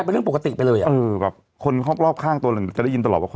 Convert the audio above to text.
เพราะคนรอบข้างมันติดกันบ่อยมาก